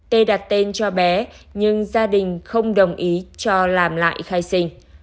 t đặt tên cho bé nhưng gia đình không đồng ý cho làm lại khai sinh